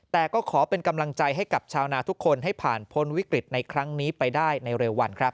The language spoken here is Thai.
แต่ก็ขอเป็นกำลังใจให้กับชาวนาทุกคนให้ผ่านพ้นวิกฤตในครั้งนี้ไปได้ในเร็ววันครับ